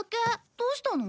どうしたの？